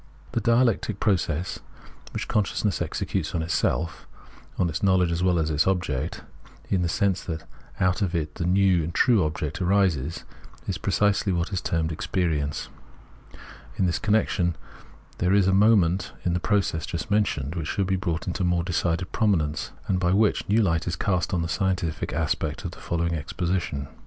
This dialectic process which consciousness executes on itself — on its knowledge as well as on its object — in the sense that out of it the new and true object arises, is precisely what is termed Experience. In this connection, there is a moment in the process just mentioned which should be brought into more decided prominence, and by which a new hght is cast on the scientific aspect of the following exposition.